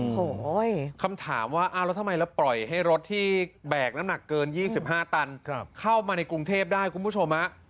โอ้โหคำถามว่าอ้าวแล้วทำไมแล้วปล่อยให้รถที่แบกน้ำหนักเกิน๒๕ตันเข้ามาในกรุงเทพได้คุณผู้ชมฮะ